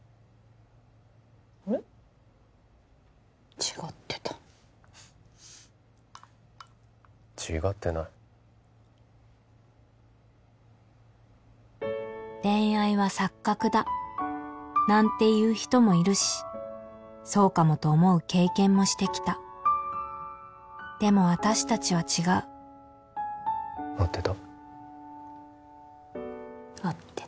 違ってた違ってない恋愛は錯覚だなんて言う人もいるしそうかもと思う経験もしてきたでも私達は違う合ってた？